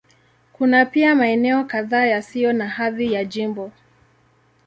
Kuna pia maeneo kadhaa yasiyo na hadhi ya jimbo.